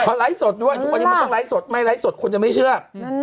พอไลท์สดด้วยทุกคนยังไม่ต้องไลท์สดไม่ไลท์สดคนจะไม่เชื่อ